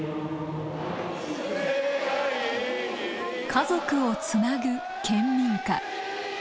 家族をつなぐ県民歌。